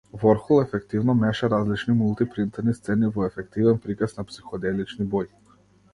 Ворхол ефективно меша различни мулти-принтани сцени во ефективен приказ на психоделични бои.